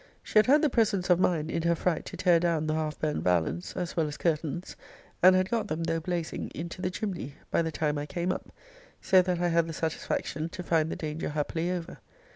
She had had the presence of mind, in her fright, to tear down the half burnt vallens, as well as curtains, and had got them, though blazing, into the chimney, by the time I came up; so that I had the satisfaction to find the danger happily over.